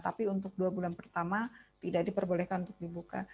tapi untuk dua bulan pertama tidak diperbolehkan untuk dibuka